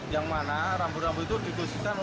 yang mana rambu rambu itu digosipkan untuk